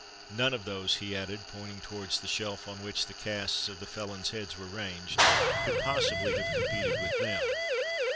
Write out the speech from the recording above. None of those," he added, pointing towards the shelf on which the casts of the felons' heads were ranged, "could possibly have competed with them."